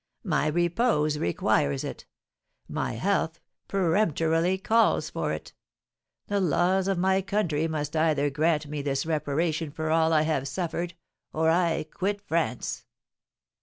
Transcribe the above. My repose requires it, my health peremptorily calls for it. The laws of my country must either grant me this reparation for all I have suffered, or I quit France.